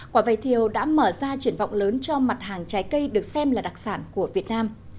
quả vải thiều đã mở ra triển vọng lớn cho mặt hàng trái cây được xem là đặc sản của việt nam